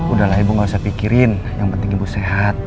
udahlah ibu gak usah pikirin yang penting ibu sehat